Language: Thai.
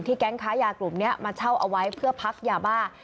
แก๊งค้ายากลุ่มนี้มาเช่าเอาไว้เพื่อพักยาบ้า